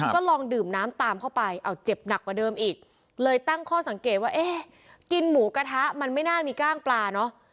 ก็ลองดื่มน้ำตามเข้าไปเอาเจ็บหนักกว่าเดิมอีกเลยตั้งข้อสังเกตว่าเอ๊ะกินหมูกระทะมันไม่น่ามีกล้างปลาเนอะ